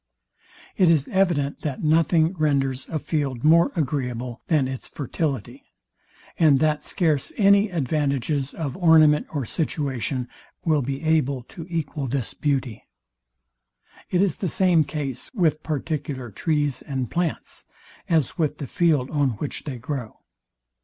It is evident, that nothing renders a field more agreeable than its fertility, and that scarce any advantages of ornament or situation will be able to equal this beauty. It is the same case with particular trees and plants, as with the field on which they grow.